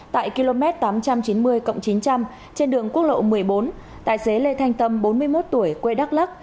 tại km tám trăm chín mươi chín trăm linh trên đường quốc lộ một mươi bốn tài xế lê thanh tâm bốn mươi một tuổi quê đắk lắc